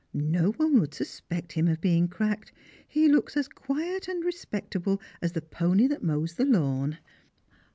No one would suspect him of being cracked, he looks as quiet and respectable as the pony that mows the lawn.